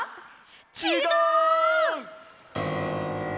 ちがう！